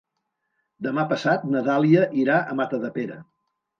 Demà passat na Dàlia anirà a Matadepera.